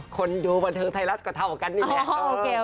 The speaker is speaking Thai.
คนดูบันเทิงไทยรัฐก็เท่ากันนี่แหละ